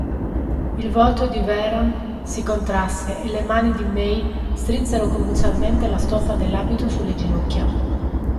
Il volto di Vehrehan si contrasse e le mani di May strinsero convulsamente la stoffa dell'abito sulle ginocchia.